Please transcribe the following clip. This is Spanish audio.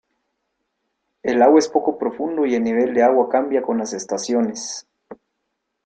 El lago es poco profundo y el nivel del agua cambia con las estaciones.